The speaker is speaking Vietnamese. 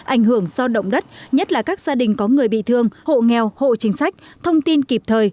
ảnh hưởng do động đất nhất là các gia đình có người bị thương hộ nghèo hộ chính sách thông tin kịp thời